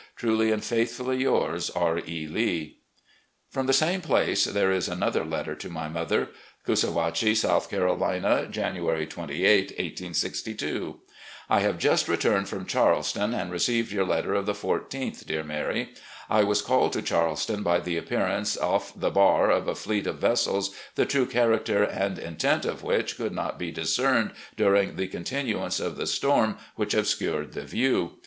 Truly and faithfully yours, "R. E. Lee." 62 RECOLLECTIONS OP GENERAL LEE From the same place th^e is another letter to my mother: " Coosa WHATCH iB, South Carolina, "January 28, 1862. "I have just returned from Charleston, and received your letter of the 14th, dear Mary. ... I was called to Charleston by the appearance off the bar of a fleet of vessels the true character and intent of which could not be discerned during the continuance of the storm which obscured the view.